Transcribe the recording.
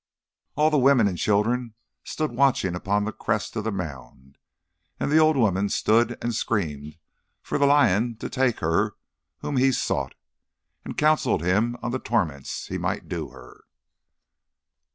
All the women and children stood watching upon the crest of the mound. And the old woman stood and screamed for the lion to take her whom he sought, and counselled him on the torments he might do her.